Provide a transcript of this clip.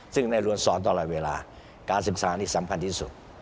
ซึ่งในรวนสอนตลอดเวลาการศึกษานี่สำคัญที่สุด